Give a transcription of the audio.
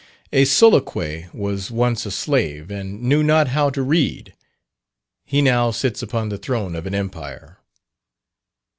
A Soulouque was once a slave, and knew not how to read. He now sits upon the throne of an Empire.